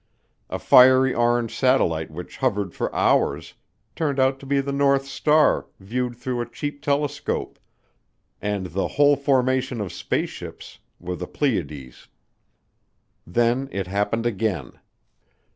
A fiery orange satellite which hovered for hours turned out to be the North Star viewed through a cheap telescope, and the "whole formation of space ships" were the Pleiades. Then it happened again.